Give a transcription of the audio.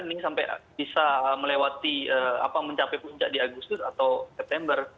ini sampai bisa melewati apa mencapai puncak di agustus atau september